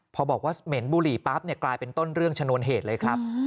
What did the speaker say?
พอบอกว่าเหม็นบุหรี่ปั๊บเนี่ยกลายเป็นต้นเรื่องชนวนเหตุเลยครับ